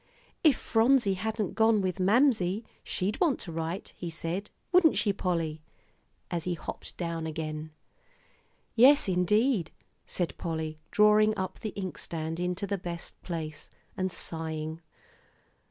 "If Phronsie hadn't gone with Mamsie, she'd want to write," he said, "wouldn't she, Polly?" as he hopped down again. "Yes, indeed," said Polly, drawing up the inkstand into the best place, and sighing.